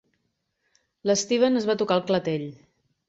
L'Steven es va tocar el clatell.